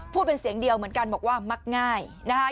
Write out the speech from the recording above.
เป็นเสียงเดียวเหมือนกันบอกว่ามักง่ายนะคะ